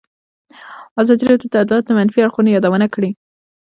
ازادي راډیو د عدالت د منفي اړخونو یادونه کړې.